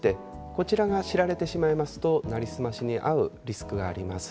これを知られてしまいますと成り済ましに遭うリスクがあります。